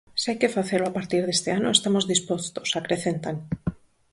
Se hai que facelo a partir deste ano, estamos dispostos, acrecentan.